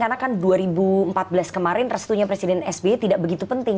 karena kan dua ribu empat belas kemarin restunya presiden sby tidak begitu penting